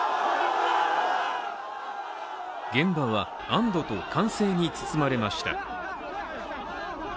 現場は、安どと歓声に包まれました。